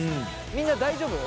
みんな大丈夫？